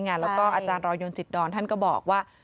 แล้วก็อาจารย์รอยนจิตดอนท่านก็บอกว่า